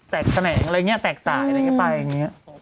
แขนงอะไรอย่างนี้แตกสายอะไรอย่างนี้ไปอย่างนี้